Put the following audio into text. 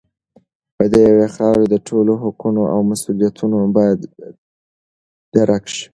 د یوې خاورې د ټولو حقونه او مسوولیتونه باید درک شي.